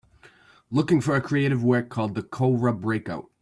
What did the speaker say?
Looking for a creative work called The Cowra Breakout